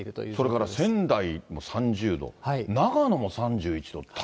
それから仙台も３０度、長野も３１度。